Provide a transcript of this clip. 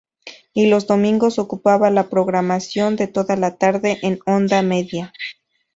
Y los domingos ocupaba la programación de toda la tarde en Onda Media.